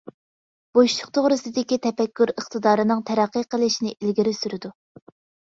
بوشلۇق توغرىسىدىكى تەپەككۇر ئىقتىدارىنىڭ تەرەققىي قىلىشىنى ئىلگىرى سۈرىدۇ.